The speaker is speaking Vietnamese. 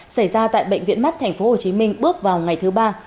xảy ra tại bệnh viện mắt tp hcm bước vào ngày thứ ba